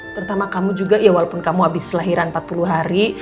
terutama kamu juga ya walaupun kamu habis lahiran empat puluh hari